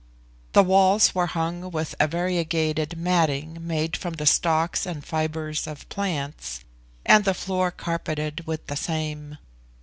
The walls were hung with a variegated matting made from the stalks and fibers of plants, and the floor carpeted with the same.